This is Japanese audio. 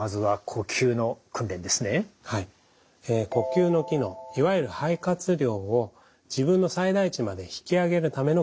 呼吸の機能いわゆる肺活量を自分の最大値まで引き上げるための訓練です。